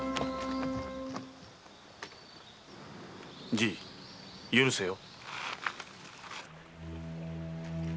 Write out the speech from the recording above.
じい許せよ。